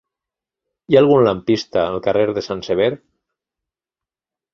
Hi ha algun lampista al carrer de Sant Sever?